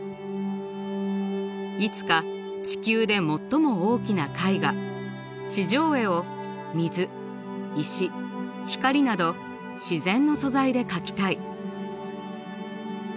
いつか地球で最も大きな絵画地上絵を水石光など自然の素材で描きたい。